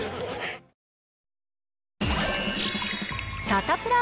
サタプラ。